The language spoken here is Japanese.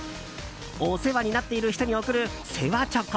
お世話になっている人に贈る世話チョコ